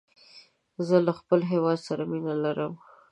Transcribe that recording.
زه له خپل هېواد سره مینه لرم